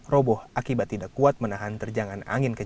roboh akibat tidak kuat menahan terjangan angin kencang